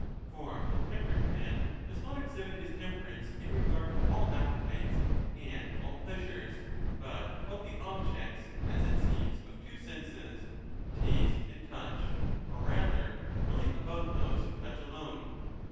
For the temperate man does not exhibit his temperance in regard to all appetites and all pleasures, but about the objects, as it seems, of two senses, taste and 25 touch, or rather really about those of touch alone.